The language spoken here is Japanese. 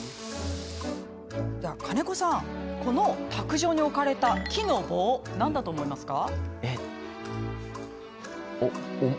で、金子さんこの卓上に置かれた木の棒何だと思いますか？